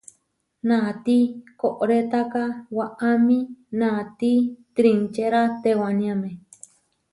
Naati koʼrétaka waʼámi naáti trinčéra tewániame.